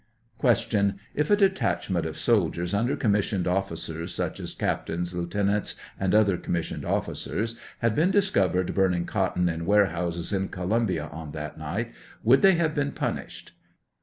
Q. If a detachment of soldiers, under commissioned officers, such as Captains, Lieutenants, and other com missioned officers, had been discovered burning cotton in warehouses in Columbia on that night, would they have been punished